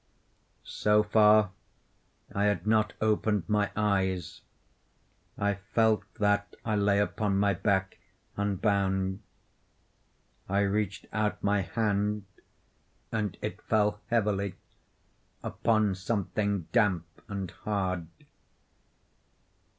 So far, I had not opened my eyes. I felt that I lay upon my back, unbound. I reached out my hand, and it fell heavily upon something damp and hard.